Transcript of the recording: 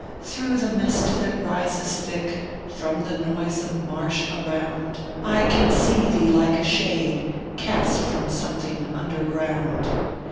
Through the mist that rises thick From the noisome marsh around, I can see thee like a shade Cast from something underground.